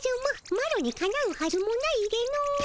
マロにかなうはずもないでの。